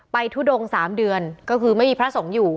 ทุดง๓เดือนก็คือไม่มีพระสงฆ์อยู่